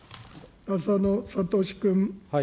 浅野哲君。